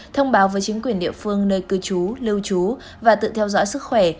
thông báo với chính quyền địa phương nơi cư trú lưu trú và tự theo dõi sức khỏe